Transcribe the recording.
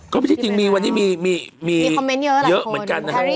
ก็ไม่ใช่จริงวันนี้มีเยอะเหมือนกันนะครับ